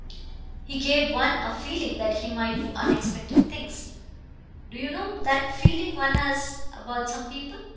He gave one a feeling that he might do unexpected things do you know that feeling one has about some people?...